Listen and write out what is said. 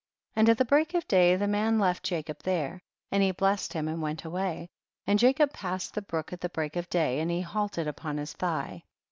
49. And at the break of day the man left Jacob there, and he blessed him and went away, and Jacob pass ed the brook at the break of day, and he halted upon his thigh.